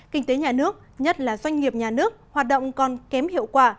kinh tế nhà nước nhất là doanh nghiệp nhà nước hoạt động còn kém hiệu quả